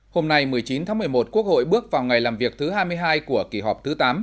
hôm nay một mươi chín tháng một mươi một quốc hội bước vào ngày làm việc thứ hai mươi hai của kỳ họp thứ tám